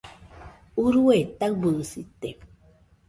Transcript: Urue taɨbɨsite